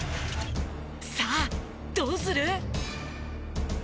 さあどうする？